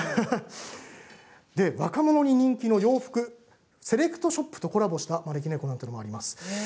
若者に人気の洋服セレクトショップとコラボした招き猫なんてものもあります。